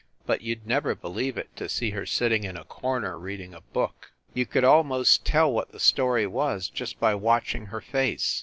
But you d never believe it, to see her sitting in a corner reading a book. You could almost tell what the story was about just by watching her face.